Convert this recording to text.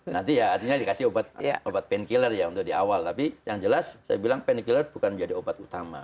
nanti ya artinya dikasih obat painkiller ya untuk di awal tapi yang jelas saya bilang panikiller bukan menjadi obat utama